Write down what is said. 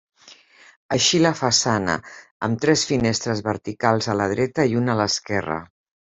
Així la façana, amb tres finestres verticals a la dreta i una a l'esquerra.